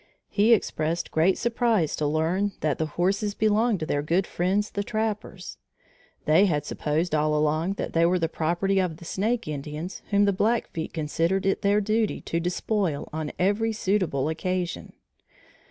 He expressed great surprise to learn that the horses belonged to their good friends the trappers. They had supposed all along that they were the property of the Snake Indians whom the Blackfeet considered it their duty to despoil on every suitable occasion.